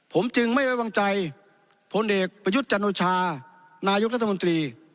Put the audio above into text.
ผมจึงไม่ไว้วางใจพลเอกประยุทธ์จันโอชานายกรัฐมนตรี